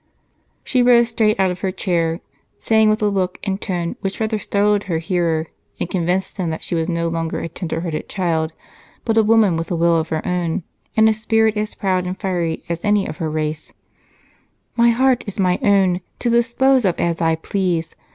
She rose straight out of her chair, saying with a look and tone which rather startled her hearer and convinced him that she was no longer a tenderhearted child but a woman with a will of her own and a spirit as proud and fiery as any of her race: "My heart is my own, to dispose of as I please.